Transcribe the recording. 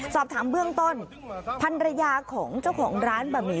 สอบถามเบื้องต้นพันรยาของเจ้าของร้านบะหมี่